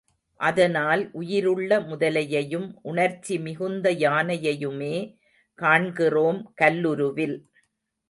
அதனால் உயிருள்ள முதலையையும் உணர்ச்சி மிகுந்த யானையையுமே காண்கிறோம் கல்லுருவில்.